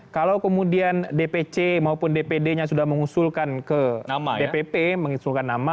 kalau kemudian dpc maupun dpd nya sudah mengusulkan ke dpp mengusulkan nama